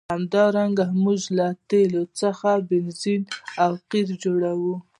همدارنګه موږ له تیلو څخه بنزین او قیر جوړوو.